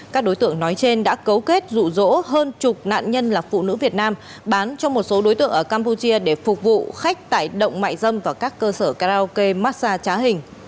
các đối tượng nói trên đã cấu kết rụ rỗ hơn chục nạn nhân là phụ nữ việt nam bán cho một số đối tượng ở campuchia để phục vụ khách tải động mại dâm và các cơ sở karaoke massage trá hình